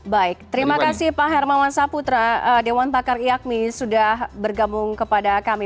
baik terima kasih pak hermawan saputra dewan pakar iakmi sudah bergabung kepada kami